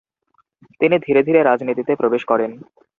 তিনি ধীরে ধীরে রাজনীতিতে প্রবেশ করেন।